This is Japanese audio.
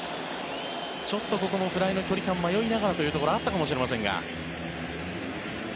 ちょっとここもフライの距離感迷いながらというところがあったかもしれませんが。